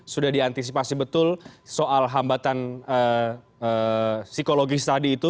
sudah diantisipasi betul soal hambatan psikologis tadi itu